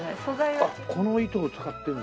あっこの糸を使ってるんだ。